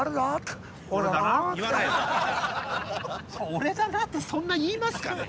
「俺だなあ」ってそんな言いますかね？